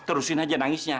terusin aja nangisnya